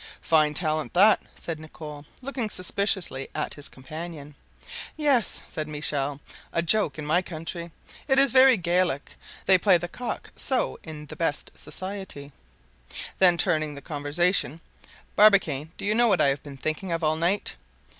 "Fine talent that," said Nicholl, looking suspiciously at his companion. "Yes," said Michel; "a joke in my country. It is very Gallic; they play the cock so in the best society." Then turning the conversation: "Barbicane, do you know what I have been thinking of all night?"